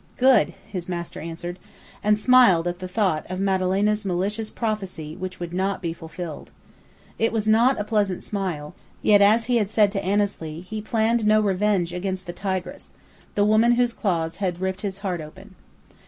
"Good!" his master answered, and smiled at the thought of Madalena's malicious prophecy which would not be fulfilled. It was not a pleasant smile, yet, as he had said to Annesley, he planned no revenge against the tigress the woman whose claws had ripped his heart open.